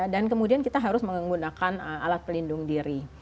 dan kemudian kita harus menggunakan alat pelindung diri